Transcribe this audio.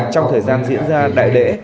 trong thời gian diễn ra đại lễ